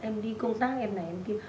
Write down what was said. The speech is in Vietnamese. em đi công tác em này em kêu